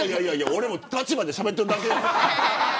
俺も立場でしゃべってるだけや。